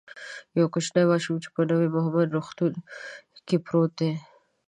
یو کوچنی ماشوم چی په نوی مهمند روغتون کی پروت دی